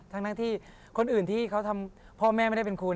ทั้งที่คนอื่นที่เขาทำพ่อแม่ไม่ได้เป็นคุณ